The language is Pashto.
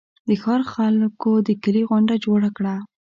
د ښار خلکو د کلي غونډه جوړه کړه.